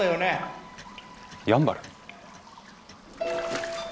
やんばる？